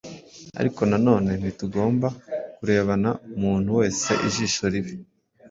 Ariko na none, ntitugomba kurebana umuntu wese ijisho ribi,